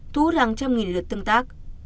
thú hàng trăm nghìn lượt tương tác